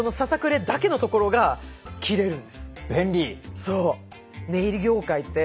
そう。